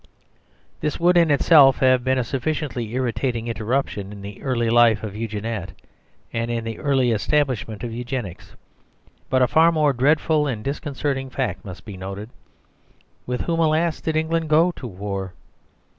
This would in itself have been a sufficiently irritating interruption in the early life of Eugenette, and in the early establishment of Eugenics. But a far more dreadful and disconcerting fact must be noted. With whom, alas, did England go to war?